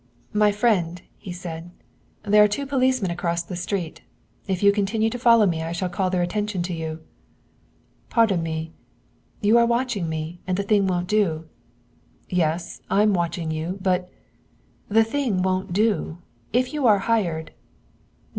"My friend," he said, "there are two policemen across the street; if you continue to follow me I shall call their attention to you." "Pardon me " "You are watching me; and the thing won't do." "Yes, I'm watching you; but " "But the thing won't do! If you are hired " "_Nein!